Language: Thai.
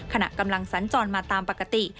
ขณะกำลังสัญจรมาตามปกติ